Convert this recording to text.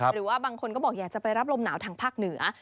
หรือว่าบางคนก็บอกอยากจะไปรับลมหนาวทางภาคเหนือ